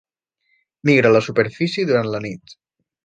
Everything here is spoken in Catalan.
Migra a la superfície durant la nit.